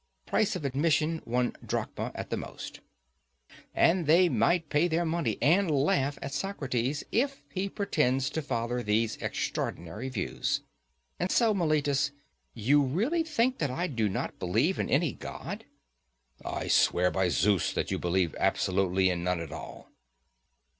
(price of admission one drachma at the most); and they might pay their money, and laugh at Socrates if he pretends to father these extraordinary views. And so, Meletus, you really think that I do not believe in any god? I swear by Zeus that you believe absolutely in none at all.